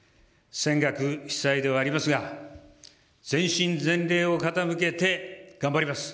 浅学菲才ではありますが、全身全霊を傾けて頑張ります。